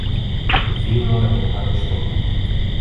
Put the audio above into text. O vinho não é bom para o estômago.